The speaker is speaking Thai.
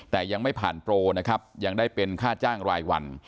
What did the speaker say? แต่ยังไม่ผ่านโปรนะครับยังได้เป็นค่าจ้างรายวัน